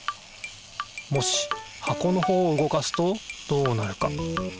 もし箱のほうを動かすとどうなるか？